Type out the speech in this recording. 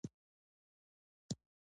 بوتل له دوړو او مکروبي موادو ساتي.